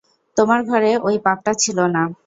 –তোমার ঘরে ওই পাপটা ছিল না।